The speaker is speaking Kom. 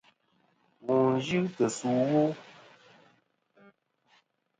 Wù n-yɨ tɨ̀ sù ɨwu.